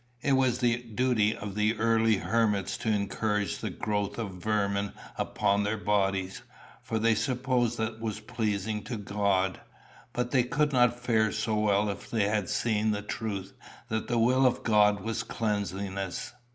It was the duty of the early hermits to encourage the growth of vermin upon their bodies, for they supposed that was pleasing to God; but they could not fare so well as if they had seen the truth that the will of God was cleanliness.